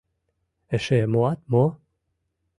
Эше муат мо?..